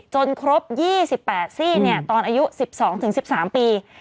ครบ๒๘ซี่ตอนอายุ๑๒๑๓ปี